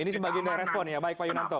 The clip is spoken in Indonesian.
ini sebagian dari respon ya baik pak yunanto